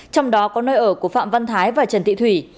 trong đó có nơi ở của phạm văn thái và trần thị thủy